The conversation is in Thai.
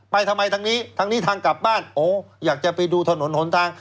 ไปทำไมทางนี้ทางนี้ทางกลับบ้านโอ้อยากจะไปดูถนนหนทาง